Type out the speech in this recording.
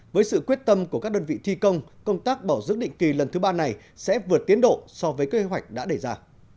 với sự quyết tâm của các đơn vị thi công công tác bảo dưỡng định kỳ lần thứ ba này sẽ vượt tiến độ so với kế hoạch đã đề ra